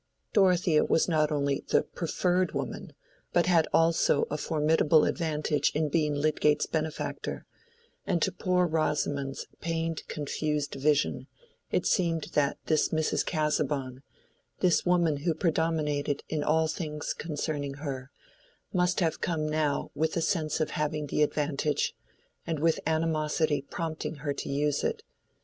Dorothea was not only the "preferred" woman, but had also a formidable advantage in being Lydgate's benefactor; and to poor Rosamond's pained confused vision it seemed that this Mrs. Casaubon—this woman who predominated in all things concerning her—must have come now with the sense of having the advantage, and with animosity prompting her to use it.